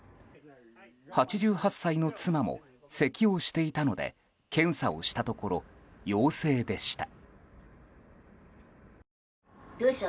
８８歳の妻もせきをしていたので検査をしたところ陽性でした。